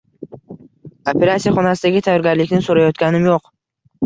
Operasiya xonasidagi tayyorgarlikni so`rayotganim yo`q